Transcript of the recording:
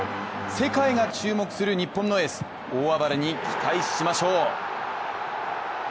世界が注目する日本のエース、大暴れに期待しましょう。